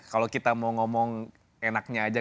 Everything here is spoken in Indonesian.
kalau kita mau ngomong enaknya aja